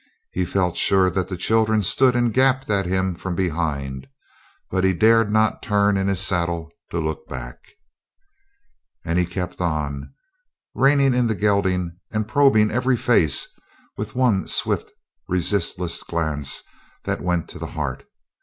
He felt sure that the children stood and gaped at him from behind, but he dared not turn in his saddle to look back. And he kept on, reining in the gelding, and probing every face with one swift, resistless glance that went to the heart.